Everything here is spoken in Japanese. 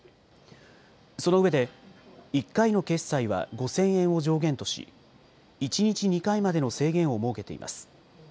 そのうえで１回の決済は５０００円を上限とし一日２回までの制限を設けています。